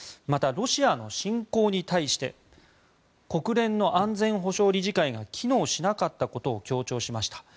また、ロシアの侵攻に対して国連の安全保障理事会が機能しなかったことを強調しました。